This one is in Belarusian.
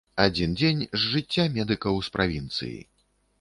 Адзін дзень з жыцця медыкаў з правінцыі.